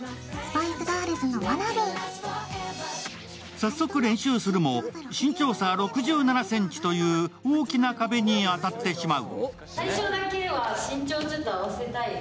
早速練習するも身長差６７ｃｍという大きな壁に当たってしまう。